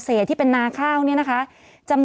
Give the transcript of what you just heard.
ศูนย์อุตุนิยมวิทยาภาคใต้ฝั่งตะวันอ่อค่ะ